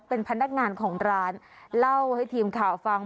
เป็นพนักงานของร้านเล่าให้ทีมข่าวฟัง